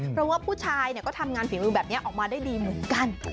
เพราะว่าผู้ชายก็ทำงานฝีมือแบบนี้ออกมาได้ดีเหมือนกัน